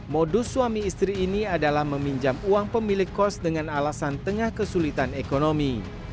modus suami istri ini adalah meminjam uang pemilik kos dengan alasan tengah kesulitan ekonomi